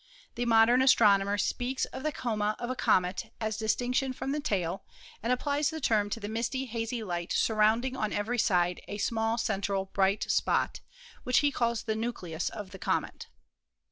The modern as tronomer speaks of the coma of a comet as distinct from the tail, and applies the term to the misty hazy light sur rounding on every side a small central bright spot, which he calls the nucleus of the comet.